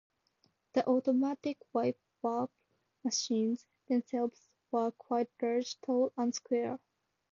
The automatic wire wrap machines themselves were quite large, tall and square.